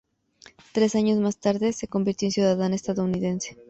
Tres años más tarde se convirtió en ciudadana estadounidense.